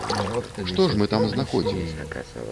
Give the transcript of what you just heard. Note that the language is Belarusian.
Што ж мы там знаходзім?